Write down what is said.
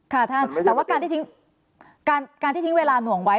ค่ะท่านแต่ว่าการที่การที่ทิ้งเวลาหน่วงไว้